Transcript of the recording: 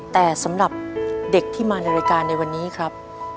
แต่สำหรับเด็กที่มาในรายการในวันนี้ครับ